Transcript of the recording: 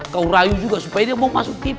kau rayu juga supaya dia mau masuk